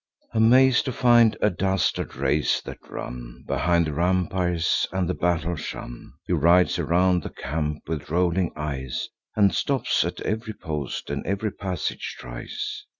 Amaz'd to find a dastard race, that run Behind the rampires and the battle shun, He rides around the camp, with rolling eyes, And stops at ev'ry post, and ev'ry passage tries.